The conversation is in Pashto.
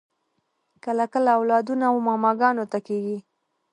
کله کله اولادونه و ماماګانو ته کیږي